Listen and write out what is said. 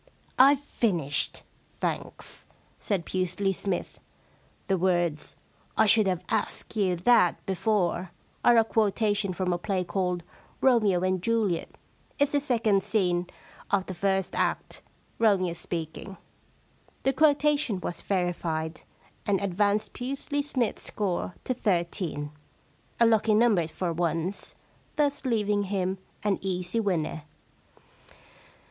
* I've finished, thanks,' said Pusely Smythe. * The words, I should have asked you that before," are a quotation from a play called Romeo and Juliet, It's the second scene of the first act — Romeo speaking.' The quotation was verified, and advanced Pusely Smythe's score to thirteen — a lucky number for once — thus leaving him an easy winner.